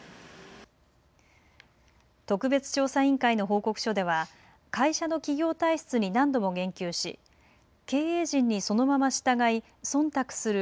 特別調査委員会の報告書では会社の企業体質に何度も言及し経営陣にそのまま従い、そんたくする